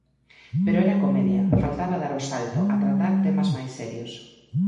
Pero era comedia, faltaba dar o salto a tratar temas máis serios.